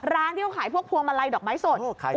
ร้านที่เขาขายพวกพวงมาลัยดอกไม้สด